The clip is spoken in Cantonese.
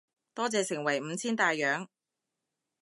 多謝盛惠五千大洋